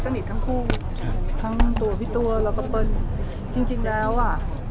ทั้งคู่ทั้งตัวพี่ตัวแล้วก็เปิ้ลจริงจริงแล้วอ่ะ